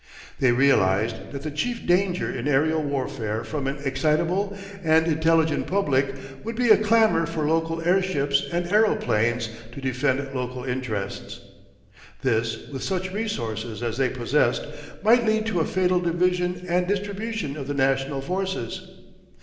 They realised that the chief danger in aerial warfare from an excitable and intelligent public would be a clamour for local airships and aeroplanes to defend local interests. This, with such resources as they possessed, might lead to a fatal division and distribution of the national forces.